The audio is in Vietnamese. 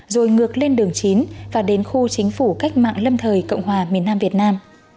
rồi ngược lên đường chín và đến khu chính phủ cách mạng lâm thời cộng hòa miền nam việt nam